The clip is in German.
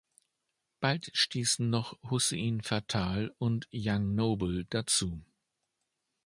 Bald stießen noch Hussein Fatal und Young Noble dazu.